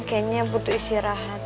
kayaknya butuh istirahat